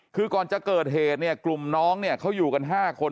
คือก่อนจะเกิดเหตุเนี่ยกลุ่มน้องเนี่ยเขาอยู่กัน๕คน